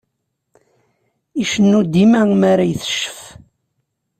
Icennu dima mara iteccef.